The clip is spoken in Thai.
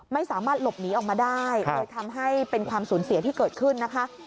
ไม่สามารถหลบหนีออกมาได้เลยทำให้เป็นความสูญเสียที่เกิดขึ้นนะคะ